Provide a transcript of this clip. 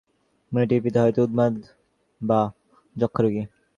মেয়েটির পিতা হয়তো উন্মাদ বা যক্ষ্মারোগী।